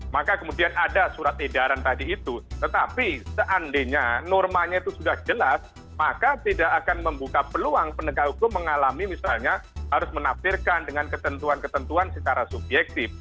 maka kemudian ada surat edaran tadi itu tetapi seandainya normanya itu sudah jelas maka tidak akan membuka peluang penegak hukum mengalami misalnya harus menafsirkan dengan ketentuan ketentuan secara subjektif